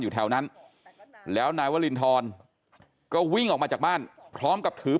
อยู่แถวนั้นแล้วนายวรินทรก็วิ่งออกมาจากบ้านพร้อมกับถือ